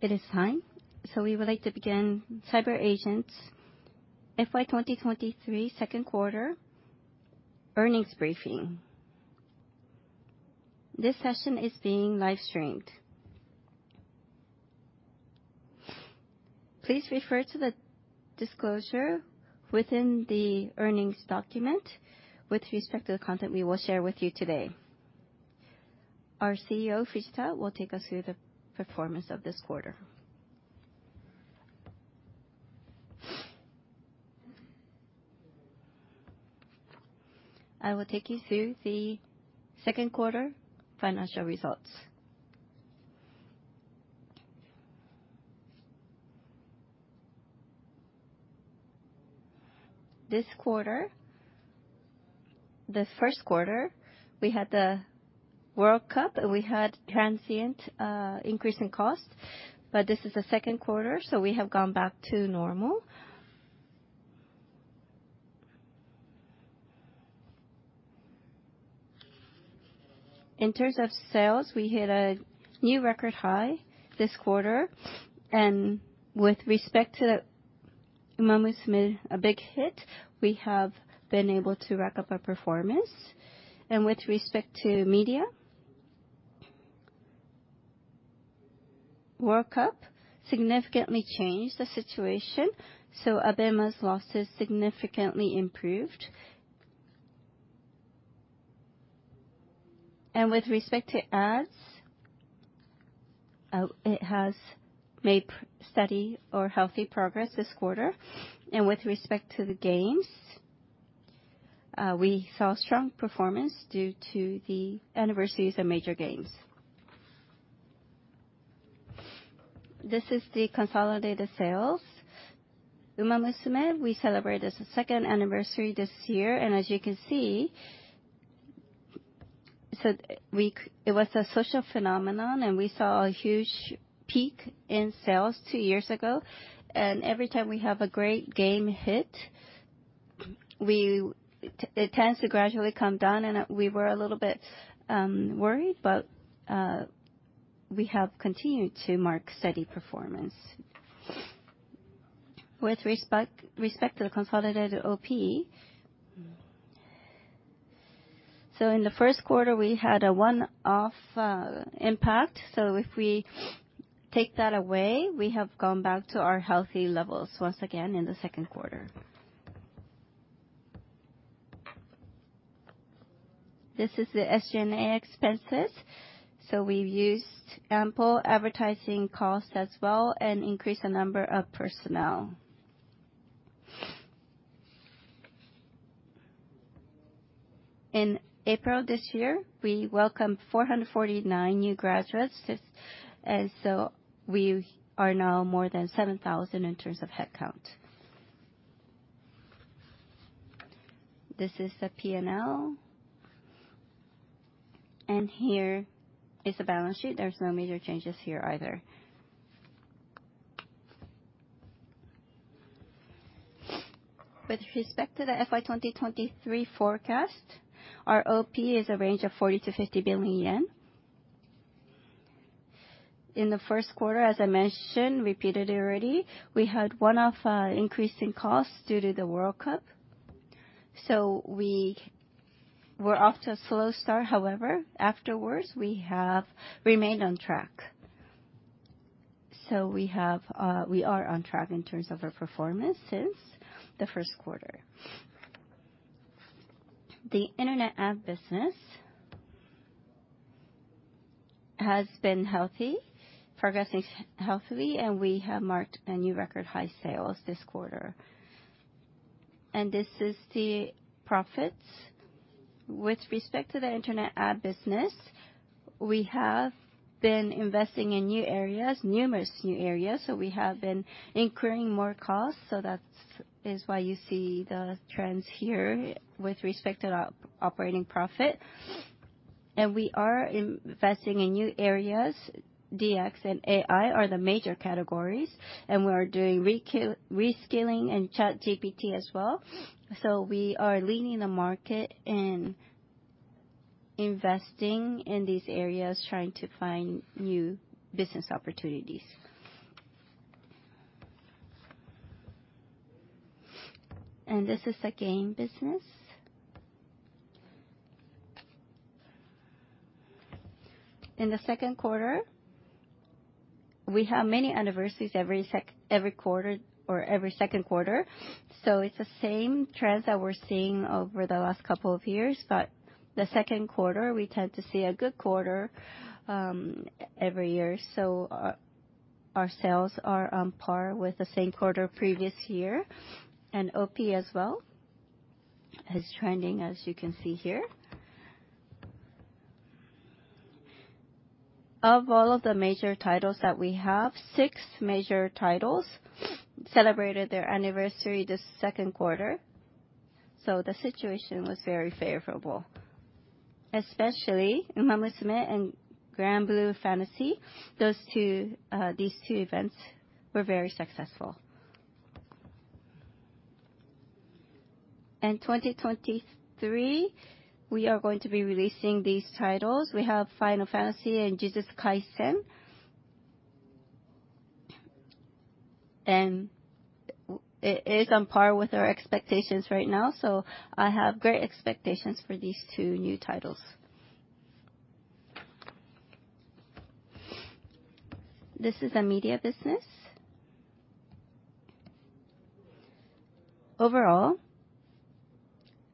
It is time. We would like to begin CyberAgent's FY 2023 Second Quarter Earnings Briefing. This session is being live streamed. Please refer to the disclosure within the earnings document with respect to the content we will share with you today. Our CEO, Fujita, will take us through the performance of this quarter. I will take you through the second quarter financial results. The first quarter, we had the World Cup, and we had transient increase in cost. This is the second quarter, so we have gone back to normal. In terms of sales, we hit a new record high this quarter. With respect to Umamusume, a big hit, we have been able to rack up our performance. With respect to media, World Cup significantly changed the situation, so ABEMA's losses significantly improved. With respect to ads, it has made steady or healthy progress this quarter. With respect to the games, we saw strong performance due to the anniversaries of major games. This is the consolidated sales. Umamusume, we celebrated its second anniversary this year, and as you can see, it was a social phenomenon, and we saw a huge peak in sales two years ago. Every time we have a great game hit, it tends to gradually come down, and we were a little bit worried, but we have continued to mark steady performance. With respect to the consolidated OP. In the first quarter, we had a one-off impact, so if we take that away, we have gone back to our healthy levels once again in the second quarter. This is the SG&A expenses. We've used ample advertising costs as well and increased the number of personnel. In April this year, we welcomed 449 new graduates, and we are now more than 7,000 in terms of head count. This is the P&L. Here is the balance sheet. There's no major changes here either. With respect to the FY 2023 forecast, our OP is a range of 40 billion-50 billion yen. In the first quarter, as I mentioned, repeated already, we had one-off increase in costs due to the World Cup. We were off to a slow start. However, afterwards, we have remained on track. We have, we are on track in terms of our performance since the first quarter. The internet ad business has been healthy, progressing healthily, and we have marked a new record high sales this quarter. This is the profits. With respect to the internet ad business, we have been investing in new areas, numerous new areas, so we have been incurring more costs, that's why you see the trends here with respect to the operating profit. We are investing in new areas. DX and AI are the major categories, and we are doing reskilling in ChatGPT as well. We are leading the market in investing in these areas, trying to find new business opportunities. This is the game business. In the second quarter, we have many anniversaries every quarter or every second quarter. It's the same trends that we're seeing over the last couple of years, but the second quarter, we tend to see a good quarter every year. Our sales are on par with the same quarter previous year, and OP as well is trending as you can see here. Of all of the major titles that we have, six major titles celebrated their anniversary this second quarter, so the situation was very favorable, especially Umamusume and Granblue Fantasy. These two events were very successful. 2023, we are going to be releasing these titles. We have Final Fantasy and Jujutsu Kaisen. It is on par with our expectations right now, so I have great expectations for these two new titles. This is the media business. Overall,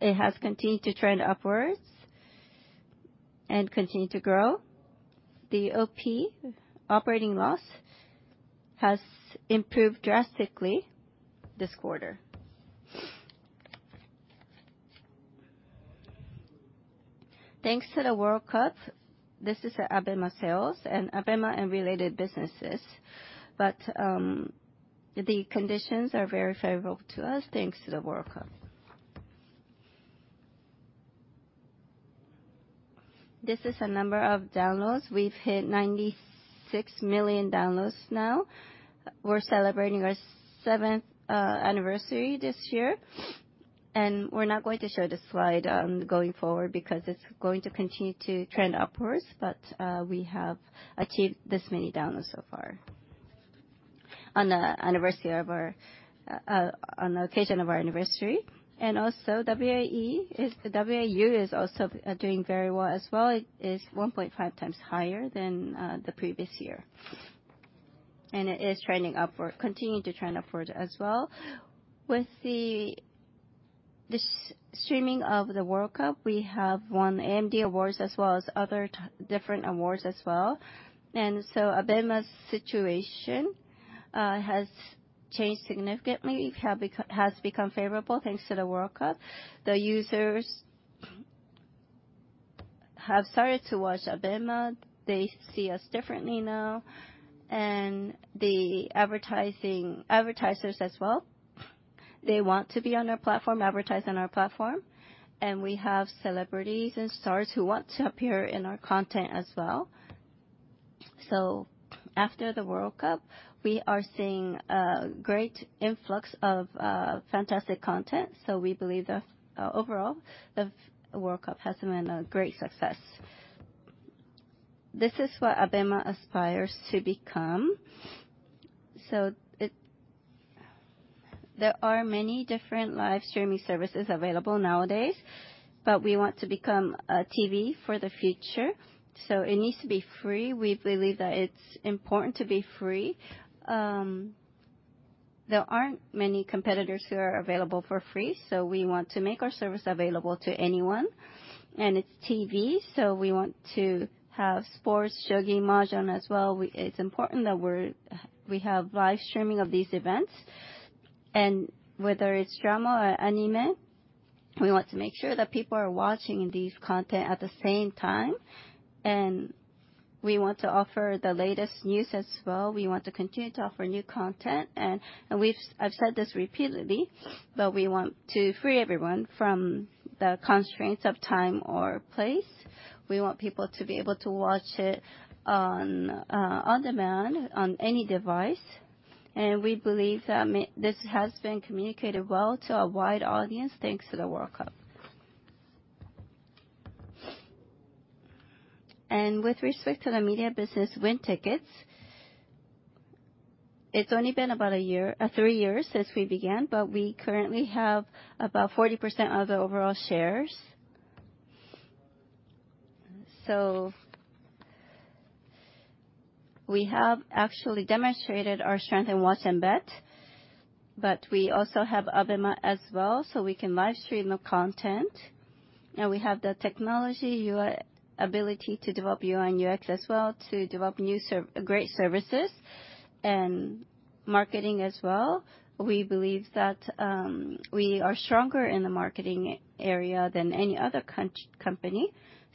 it has continued to trend upwards and continue to grow. The OP, operating loss, has improved drastically this quarter. Thanks to the World Cup, this is ABEMA sales and ABEMA and related businesses, but the conditions are very favorable to us thanks to the World Cup. This is the number of downloads. We've hit 96 million downloads now. We're celebrating our seventh anniversary this year. We're not going to show the slide going forward because it's going to continue to trend upwards. We have achieved this many downloads so far on the anniversary of our on the occasion of our anniversary. WAU is also doing very well as well. It is 1.5x higher than the previous year, and it is trending upward, continuing to trend upward as well. With the streaming of the World Cup, we have won AME Awards as well as other different awards as well. ABEMA's situation has changed significantly, has become favorable thanks to the World Cup. The users have started to watch ABEMA. They see us differently now. The advertising, advertisers as well, they want to be on our platform, advertise on our platform, and we have celebrities and stars who want to appear in our content as well. After the World Cup, we are seeing a great influx of fantastic content. We believe that overall, the World Cup has been a great success. This is what ABEMA aspires to become. There are many different live streaming services available nowadays, but we want to become a TV for the future, so it needs to be free. We believe that it's important to be free. There aren't many competitors who are available for free, so we want to make our service available to anyone. It's TV, so we want to have sports, shogi, mahjong as well. It's important that we have live streaming of these events. Whether it's drama or anime, we want to make sure that people are watching these content at the same time. We want to offer the latest news as well. We want to continue to offer new content. I've said this repeatedly, but we want to free everyone from the constraints of time or place. We want people to be able to watch it on on-demand on any device. We believe that this has been communicated well to a wide audience thanks to the World Cup. With respect to the media business WinTicket, it's only been about a year, three years since we began, but we currently have about 40% of the overall shares. We have actually demonstrated our strength in Watch and Bet, but we also have ABEMA as well, so we can live stream the content. We have the technology, UI, ability to develop UI and UX as well to develop new great services and marketing as well. We believe that we are stronger in the marketing area than any other company.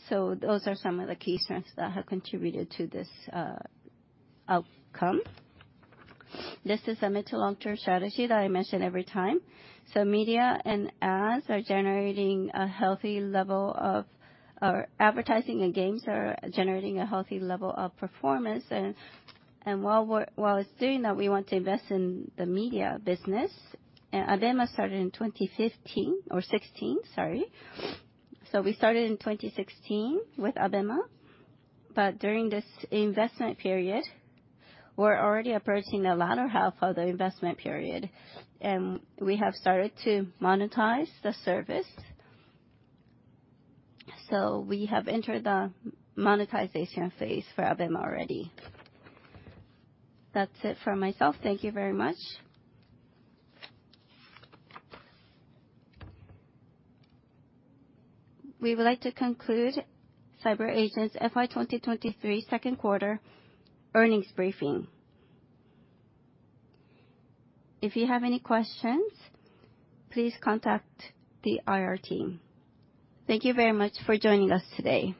Those are some of the key strengths that have contributed to this outcome. This is a mid to long-term strategy that I mention every time. Advertising and games are generating a healthy level of performance. While it's doing that, we want to invest in the media business. ABEMA started in 2015 or 2016, sorry. We started in 2016 with ABEMA. During this investment period, we're already approaching the latter half of the investment period, and we have started to monetize the service. We have entered the monetization phase for ABEMA already. That's it from myself. Thank you very much. We would like to conclude CyberAgent's FY 2023 second quarter earnings briefing. If you have any questions, please contact the IR team. Thank you very much for joining us today.